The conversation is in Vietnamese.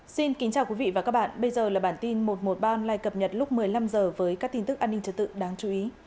xin kính chào quý vị và các bạn bây giờ là bản tin một trăm một mươi ba online cập nhật lúc một mươi năm h với các tin tức an ninh trật tự đáng chú ý